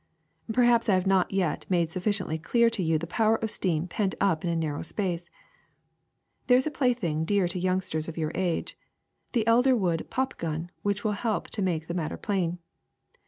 *^ Perhaps I have not yet made sufficiently clear to you the power of steam pent up in a narrow space. There is a plaything dear to youngsters of your age, the elder wood pop gun, which will help to make the matter plain.